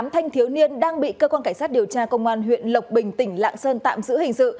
tám thanh thiếu niên đang bị cơ quan cảnh sát điều tra công an huyện lộc bình tỉnh lạng sơn tạm giữ hình sự